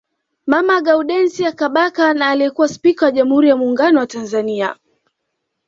Mama Gaudensia Kabaka na aliyekuwa spika wa jamhuri ya Muungano wa Tanzania